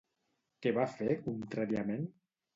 Què va fer contràriament?